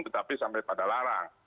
tetapi sampai pada larang